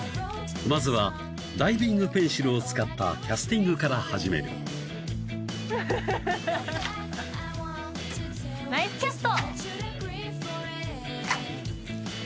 まずはダイビングペンシルを使ったキャスティングから始めるハハハハハナイスキャスト！